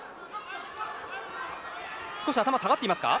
少し頭が下がっていますか。